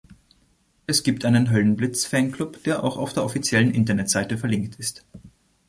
Es gibt einen Höllenblitz-Fanclub, der auch auf der offiziellen Internetseite verlinkt ist.